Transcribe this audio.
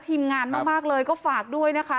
ทีมงานมากเลยก็ฝากด้วยนะคะ